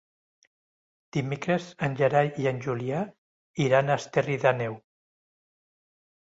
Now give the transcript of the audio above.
Dimecres en Gerai i en Julià iran a Esterri d'Àneu.